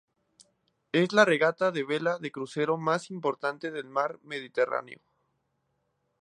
Es la regata de vela de crucero más importante del mar Mediterráneo.